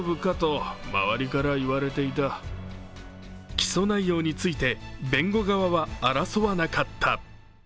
起訴内容について弁護側は争わなかった。